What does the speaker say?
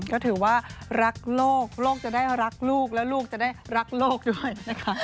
ก็ถือว่ารักโลกโลกจะได้รักลูกแล้วลูกจะได้รักโลกด้วยนะคะ